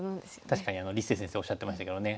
確かに立誠先生おっしゃってましたけどね。